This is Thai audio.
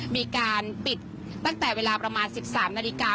มีการปิดตั้งแต่เวลาประมาณ๑๓นาฬิกา